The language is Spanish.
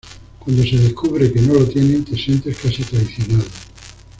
Cuando se descubre que no lo tienen, te sientes casi traicionado.